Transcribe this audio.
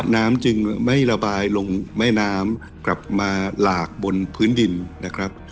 น้ำจึงไม่ระบายลงแม่น้ำกลับมาหลากบนพื้นดินนะครับ